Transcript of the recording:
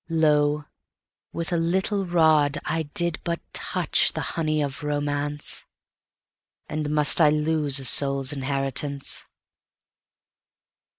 lo! with a little rodI did but touch the honey of romance—And must I lose a soul's inheritance?